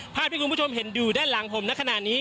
ภาพเพื่องคุณผู้ชมเห็นดูได้หลังผมนะขนาดนี้